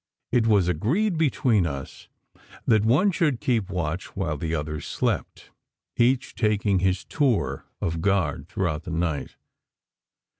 It was agreed between us that one should keep watch, while the others slept each taking his tour of guard throughout the night.